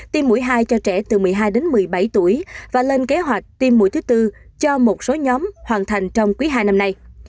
tiêm mũi hai cho trẻ từ một mươi hai đến một mươi bảy tuổi và lên kế hoạch tiêm mũi thứ tư cho một số nhóm hoàn thành trong quý hai năm nay